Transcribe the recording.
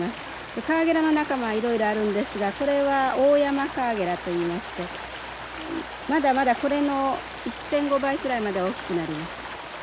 カワゲラの仲間はいろいろあるんですがこれはオオヤマカワゲラといいましてまだまだこれの１．５倍くらいまで大きくなります。